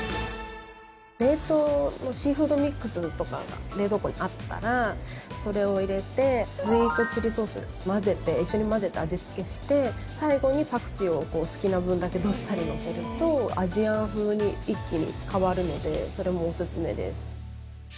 冷凍のシーフードミックスとかが冷凍庫にあったら、それを入れてスイートチリソースを混ぜて一緒に混ぜて味付けして最後にパクチーを好きな分だけどっさり乗せるとアジアン風に一気に変わるのでそれもおすすめです。